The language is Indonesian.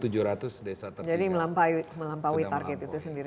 jadi melampaui target itu sendiri